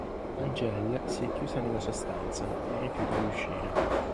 Angèle si è chiusa nella sua stanza e rifiuta di uscire.